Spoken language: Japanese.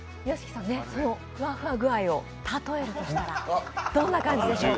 ふわふわ具合を例えるとしたらどんな感じでしょうか？